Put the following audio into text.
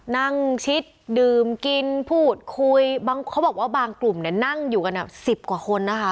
นั่งชิดดื่มกินพูดคุยบางเขาบอกว่าบางกลุ่มเนี่ยนั่งอยู่กัน๑๐กว่าคนนะคะ